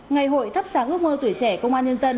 ngày hội thắp sáng ước mơ tuổi trẻ công an nhân dân